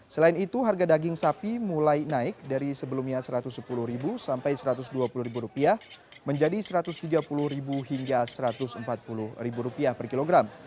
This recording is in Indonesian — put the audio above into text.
selain itu harga daging sapi mulai naik dari sebelumnya rp satu ratus sepuluh sampai rp satu ratus dua puluh menjadi rp satu ratus tiga puluh hingga rp satu ratus empat puluh per kilogram